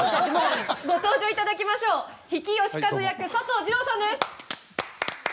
ご登場いただきましょう比企能員役佐藤二朗さんです。